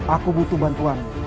aku butuh bantuan